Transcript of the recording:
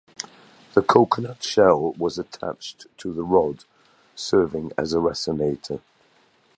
The coconut shell was attached to the rod, serving as a resonator.